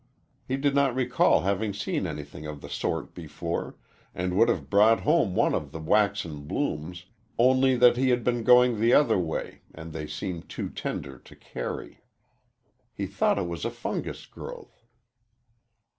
He did not recall having seen anything of the sort before, and would have brought home one of the waxen blooms, only that he had been going the other way and they seemed too tender to carry. He thought it a fungus growth.